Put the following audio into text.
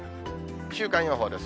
週間予報です。